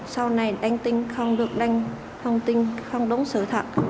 sau này đăng tin không được đăng thông tin không đúng sự thật